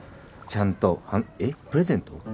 ちゃんとえっプレゼント！？